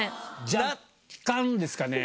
若干ですかね。